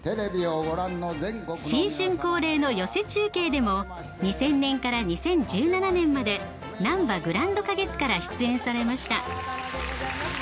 新春恒例の寄席中継でも２０００年から２０１７年までなんばグランド花月から出演されました。